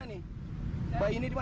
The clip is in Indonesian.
ini bayi ini dimana